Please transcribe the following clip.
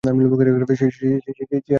সে আজ বাঁচবে না।